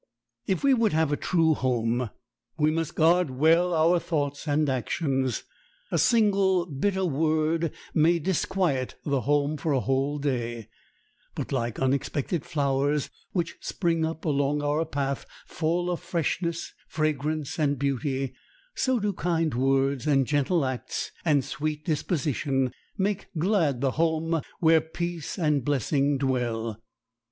If we would have a true home, we must guard well our thoughts and actions. A single bitter word may disquiet the home for a whole day; but, like unexpected flowers which spring up along our path full of freshness, fragrance, and beauty, so do kind words and gentle acts and sweet disposition make glad the home where peace and blessing dwell.